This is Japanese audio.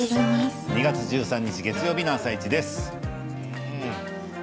２月１３日月曜日の「あさイチ」です。